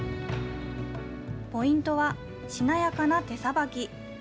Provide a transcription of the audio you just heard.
ポイントは、しなやかな手さばき。